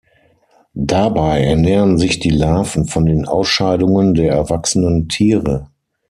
Dabei ernähren sich die Larven von den Ausscheidungen der erwachsenen Tiere.